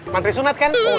mantri sunat kan